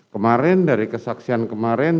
kemarin dari kesaksian kemarin